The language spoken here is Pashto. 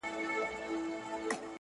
دا څوک بى رحمه دى چى وژنى په بمونو خلق